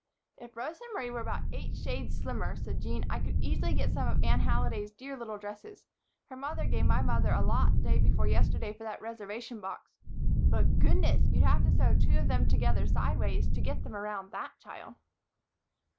"If Rosa Marie were about eight shades slimmer," said Jean, "I could easily get some of Anne Halliday's dear little dresses her mother gave my mother a lot day before yesterday for that Reservation box; but goodness! You'd have to sew two of them together sideways to get them around that child."